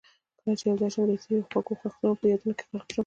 کله چې یوازې شم د تېرو خوږو وختونه په یادونو کې غرق شم.